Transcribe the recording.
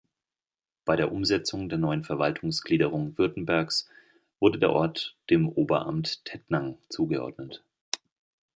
Bei der Umsetzung der neuen Verwaltungsgliederung Württembergs wurde der Ort dem Oberamt Tettnang zugeordnet.